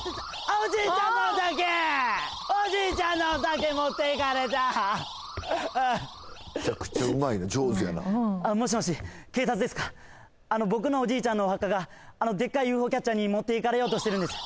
返しておじいちゃんのお酒持っていかれたあああっもしもし警察ですか僕のおじいちゃんのお墓がでっかいＵＦＯキャッチャーに持っていかれようとしてるんです